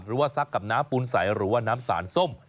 ซักกับน้ำปูนใสหรือว่าน้ำสารส้ม